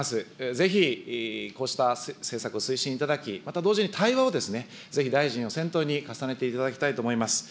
ぜひ、こうした施策を推進いただき、また同時に対話をぜひ大臣を先頭に、重ねていただきたいと思います。